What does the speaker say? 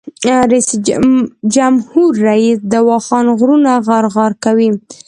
جمهور رییس د واخان غرونه غار غار کوي.